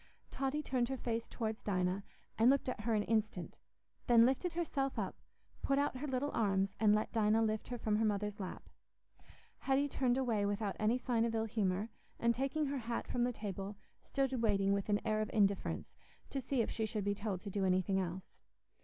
Totty turned her face towards Dinah, and looked at her an instant, then lifted herself up, put out her little arms, and let Dinah lift her from her mother's lap. Hetty turned away without any sign of ill humour, and, taking her hat from the table, stood waiting with an air of indifference, to see if she should be told to do anything else.